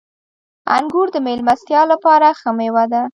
• انګور د میلمستیا لپاره ښه مېوه ده.